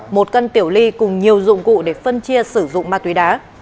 một cân tiểu ly cùng nhiều dụng cụ để phân chia sử dụng ma túy đá